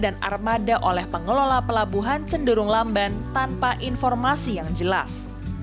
armada oleh pengelola pelabuhan cenderung lamban tanpa informasi yang jelas